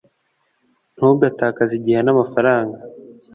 ntugatakaze igihe n'amafaranga